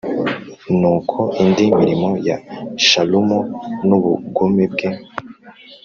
Nuko indi mirimo ya Shalumu n ubugome bwe